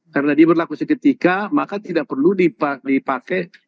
karena dia berlaku seketika maka tidak perlu dipakai